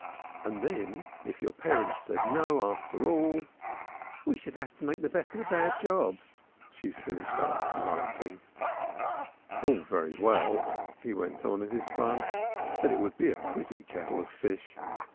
And then, if your parents said 'no,' after all " "We should have to make the best of a bad job," she finished up laughingly. "All very well," he went on in his fun, "but it would be a pretty kettle of fish."